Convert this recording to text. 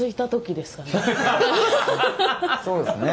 そうですね。